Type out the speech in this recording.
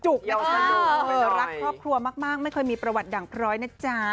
รักครอบครัวมากไม่เคยมีประวัติดั่งพร้อยนะจ๊ะ